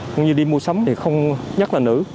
cũng như đi mua sắm thì không nhất là nữ